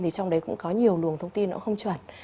thì trong đấy cũng có nhiều luồng thông tin nó không chuẩn